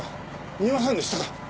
見ませんでしたか？